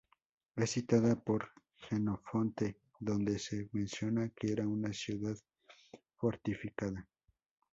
Es citada por Jenofonte, donde se menciona que era una ciudad fortificada.